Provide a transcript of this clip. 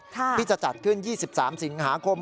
ที่จะจัดขึ้น๒๓สิงหาคม